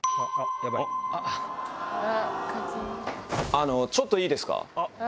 あのちょっといいですか？